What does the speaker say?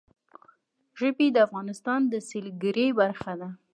ژبې د افغانستان د سیلګرۍ برخه ده.